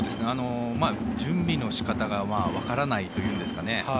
準備の仕方がわからないというんですかね